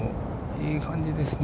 いい感じですね。